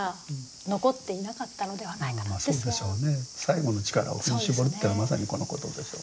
最後の力を振り絞るってのはまさにこのことでしょうね。